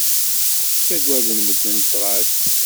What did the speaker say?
Ttagaden medden ṭṭṛad.